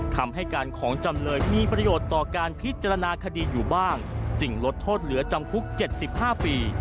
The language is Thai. คำให้การของจำเลยมีประโยชน์ต่อการพิจารณาคดีอยู่บ้างจึงลดโทษเหลือจำคุก๗๕ปี